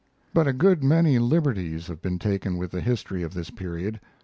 But a good many liberties have been taken with the history of this period.